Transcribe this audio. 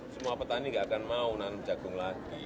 semua petani tidak akan mau nanam jagung lagi